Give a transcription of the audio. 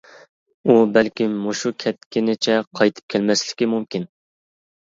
ئۇ بەلكىم مۇشۇ كەتكىنىچە قايتىپ كەلمەسلىكى مۇمكىن.